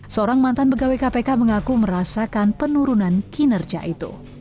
seorang mantan pegawai kpk mengaku merasakan penurunan kinerja itu